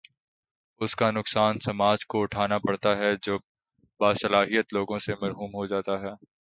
اس کا نقصان سماج کو اٹھا نا پڑتا ہے جو باصلاحیت لوگوں سے محروم ہو جا تا ہے۔